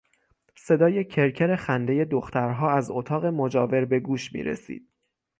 صدای کرکر خندهی دخترها از اتاق مجاور به گوش میرسید.